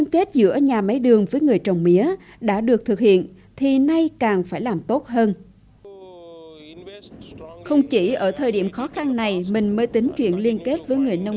các nhà máy đường cũng đã thực hiện việc trồng mía có tưới trên cánh đồng lớn